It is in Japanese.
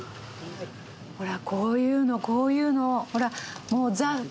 ほらこういうのこういうの。